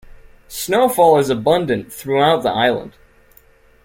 Snowfall is abundant throughout the island.